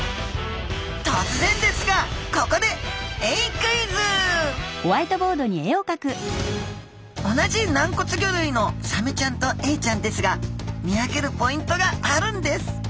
とつぜんですがここで同じ軟骨魚類のサメちゃんとエイちゃんですが見分けるポイントがあるんです。